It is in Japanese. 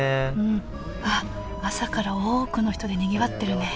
あっ朝から多くの人でにぎわってるね。